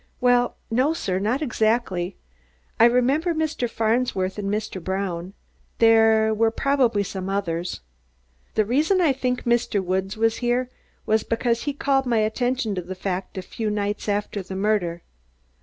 "Well, no, sir, not exactly. I remember Mr. Farnsworth and Mr. Brown. There were probably some others. The reason I think Mr. Woods was here was because he called my attention to the fact a few nights after the murder.